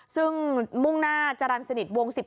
ซึ่งมุ่งหน้าจรรย์สนิทวง๑๘